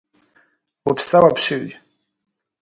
Упсэу апщий.